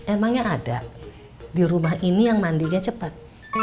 emangnya ada di rumah ini yang mandinya cepat